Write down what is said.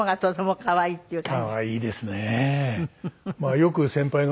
可愛いですね。